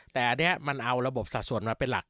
แต่อันนี้มันเอาระบบสัดส่วนมาเป็นหลัก